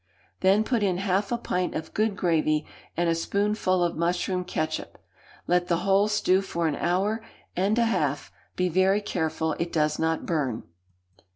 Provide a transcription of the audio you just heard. Then put in half a pint of good gravy, and a spoonful of mushroom ketchup. Let the whole stew for an hour and a half; be very careful it does not burn.